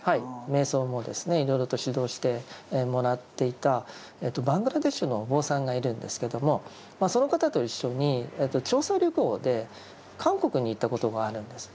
瞑想もですねいろいろと指導してもらっていたバングラデシュのお坊さんがいるんですけどもその方と一緒に調査旅行で韓国に行ったことがあるんです。